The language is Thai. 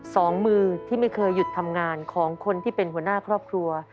สองมือที่ไม่เคยหยุดทำงานของคนที่เป็นหัวหน้าครอบครัว